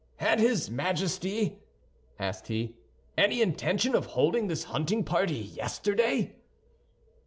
"Had his Majesty," asked he, "any intention of holding this hunting party yesterday?"